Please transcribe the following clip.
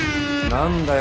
何だよ？